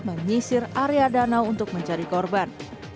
menyisir area danau untuk mencari korban